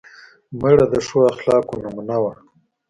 مړه د ښو اخلاقو نمونه وه